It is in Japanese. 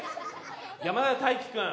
山田大気君。